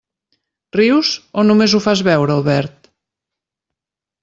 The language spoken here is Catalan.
Rius o només ho fas veure, Albert?